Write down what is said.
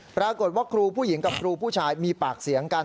ปรากฏว่าครูผู้หญิงกับครูผู้ชายมีปากเสียงกัน